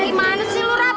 bagaimana sih lu rap